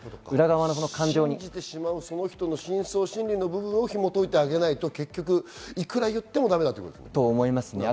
信じてしまうその人の深層心理をひも解いてあげないと、いくら言ってもだめだということですね。